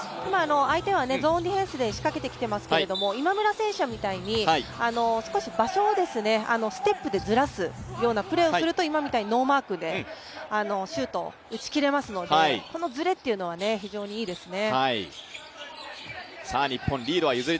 相手はゾーンディフェンスで仕掛けていてますけど、今村選手みたいに、少し場所をステップでずらすようなプレーをすると、今みたいにノーマークでシュートを打ち切れますので、このずれというのは非常にいいですね。